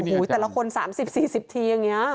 โอ้โหแต่ละคน๓๐๔๐ทีอย่างนี้